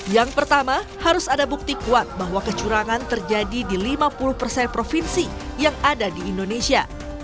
yang pertama harus ada bukti kuat bahwa kecurangan terjadi di lima puluh persen provinsi yang ada di indonesia